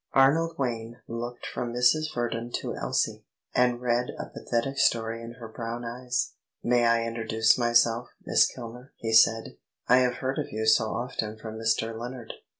Arnold Wayne looked from Mrs. Verdon to Elsie, and read a pathetic story in her brown eyes. "May I introduce myself, Miss Kilner?" he said. "I have heard of you so often from Mr. Lennard."